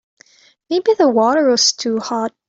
Maybe the water was too hot.